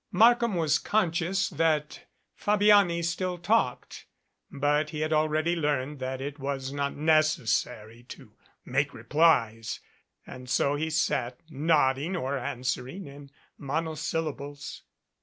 Markham was conscious that Fabiani still talked, but he had already learned that it was not necessary to make replies, and so he sat, nod ding or answering in monosyllables.